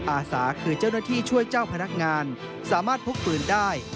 อาสาคือเจ้าหน้าที่ช่วยเจ้าพนักงานสามารถพกปืนได้